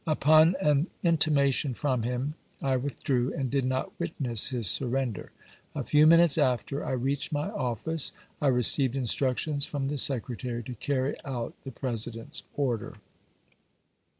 Upon an intimation from him I withdrew and did not witness his surrender. A few minutes after I reached my of&ce I re ceived instructions from the Secretary to carry out the President's order.